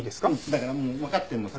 だからもうわかってるの。